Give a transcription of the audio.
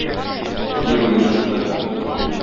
Кияүгә чыкты.